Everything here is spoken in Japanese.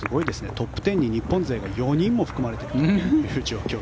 トップ１０に日本勢が４人も含まれているという状況。